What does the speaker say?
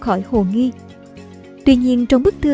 khỏi hồ nghi tuy nhiên trong bức thư